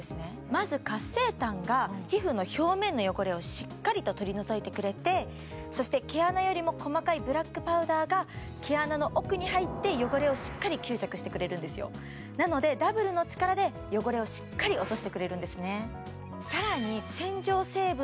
まず活性炭が皮膚の表面の汚れをしっかりと取り除いてくれて毛穴よりも細かいブラックパウダーが毛穴の奥に入って汚れをしっかり吸着してくれるんですよなのでダブルの力で汚れをしっかり落としてくれるんですね